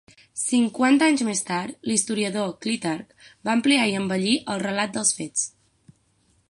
Cinquanta anys més tard, l'historiador Clitarc va ampliar i embellir el relat dels fets.